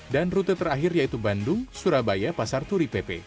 dan rute terakhir yaitu bandung surabaya pasar turi pp